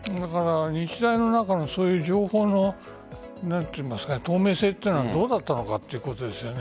日大の中の情報の透明性というのはどうだったのかということですよね。